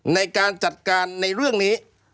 ในการจัดการในเรื่องนี้